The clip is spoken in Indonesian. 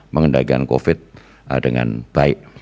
mengendalikan covid dengan baik